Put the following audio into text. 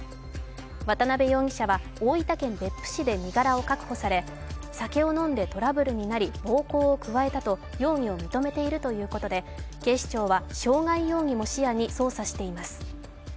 渡辺容疑者は大分県別府市で身柄を確保され酒を飲んでトラブルになり暴行を加えたと容疑を認めているということで警視庁は傷害容疑も視野に捜査しています。